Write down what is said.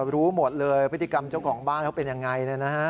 รู้หมดเลยพฤติกรรมเจ้าของบ้านเขาเป็นยังไง